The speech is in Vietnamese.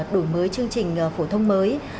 đổi mới chương trình phổ thông mới